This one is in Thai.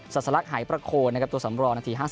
ัสลักหายประโคนนะครับตัวสำรองนาที๕๐